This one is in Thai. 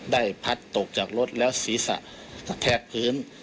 ได้พัดตกจากรถแล้วศีรษะแทกพื้น